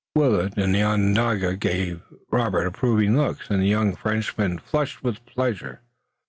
Willet and the Onondaga gave Robert approving looks, and the young Frenchman flushed with pleasure.